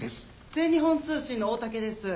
全日本通信の大竹です。